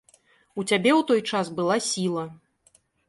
У цябе ў той час была сіла.